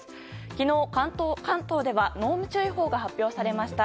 昨日、関東では濃霧注意報が発表されました。